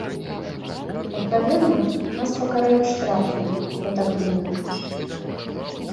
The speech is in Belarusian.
Адпаведна, нас пакараюць штрафам, я так думаю.